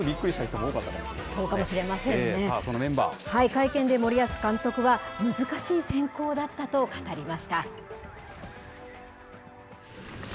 会見で森保監督は、難しい選考だったと語りました。